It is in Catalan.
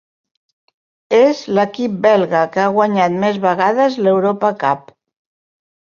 És l'equip belga que ha guanyat més vegades l'Europa Cup.